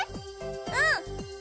うん！